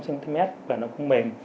năm cm và nó không mềm